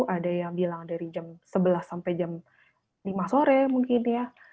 ada yang bilang dari jam sebelas sampai jam lima sore mungkin ya